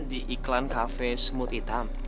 di iklan kafe smooth hitam